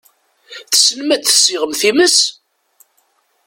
Tessnem ad tessiɣem times?